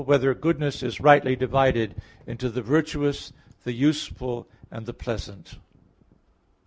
6] Whether Goodness Is Rightly Divided into the Virtuous*, the Useful and the Pleasant?